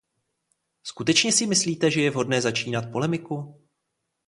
Skutečně si myslíte, že je vhodné začínat polemiku?